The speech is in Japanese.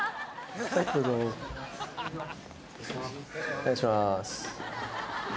お願いします。